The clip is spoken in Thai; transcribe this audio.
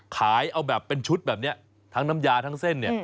ขายเอาแบบเป็นชุดแบบนี้ทั้งน้ำยาทั้งเส้นเนี่ย